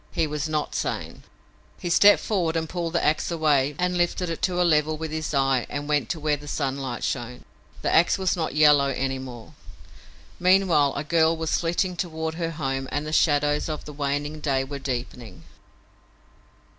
He was not sane. He stepped forward and pulled the ax away and lifted it to a level with his eyes and went to where the sunlight shone. The ax was not yellow any more. Meanwhile a girl was flitting toward her home and the shadows of the waning day were deepening.